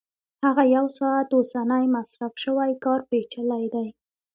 هغه یو ساعت اوسنی مصرف شوی کار پېچلی دی